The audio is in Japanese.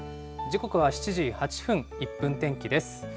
時刻は７時８分、１分天気です。